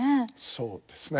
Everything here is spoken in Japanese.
そうですね。